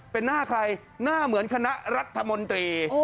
เป็นหน้าใครหน้าเหมือนคณะรัฐมนตรี